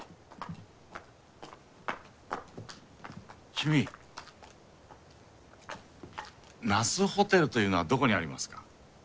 君那須ホテルというのはどこにありますか？